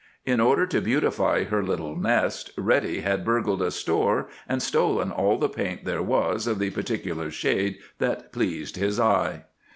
In order to beautify her little nest Reddy had burgled a store and stolen all the paint there was of the particular shade that pleased his eye.